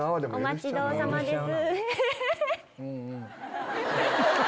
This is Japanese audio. お待ちどおさまです。